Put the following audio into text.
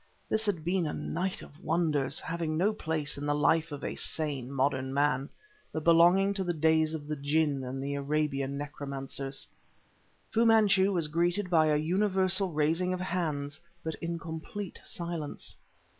This had been a night of wonders, having no place in the life of a sane, modern man, but belonging to the days of the jinn and the Arabian necromancers. Fu Manchu was greeted by a universal raising of hands, but in complete silence.